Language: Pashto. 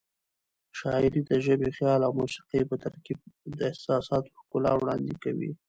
شاعري د ژبې، خیال او موسيقۍ په ترکیب د احساساتو ښکلا وړاندې کوي.